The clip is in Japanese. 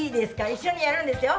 一緒にやるんですよ。